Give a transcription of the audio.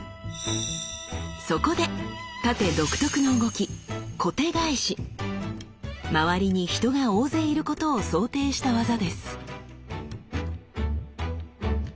そこで殺陣独特の動き周りに人が大勢いることを想定した技です。